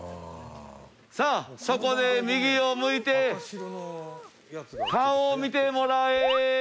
さあそこで右を向いて顔を見てもらえ。